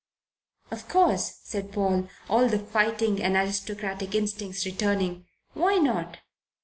"Of course," said Paul, all the fighting and aristocratic instincts returning. "Why not?"